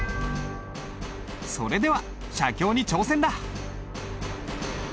それでは写経に挑戦だ！